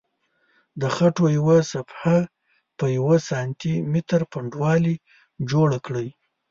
د خټو یوه صفحه په یوه سانتي متر پنډوالي جوړه کړئ.